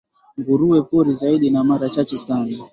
nguruwe pori zaidi na mara chache sana